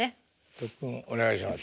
特訓お願いします。